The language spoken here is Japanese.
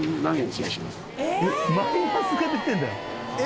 えっマイナスが出てるんだよ。